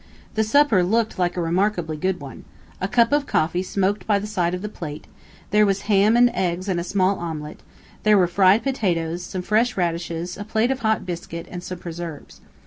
The supper looked like a remarkably good one. A cup of coffee smoked by the side of the plate; there was ham and eggs and a small omelette; there were fried potatoes, some fresh radishes, a plate of hot biscuit, and some preserves.